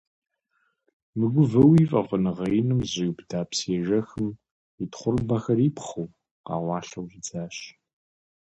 Мыгувэуи фӀэфӀыныгъэ иным зэщӀиубыда псыежэхым, и тхъурымбэхэр ипхъыу, къэкъуалъэу щӀидзащ.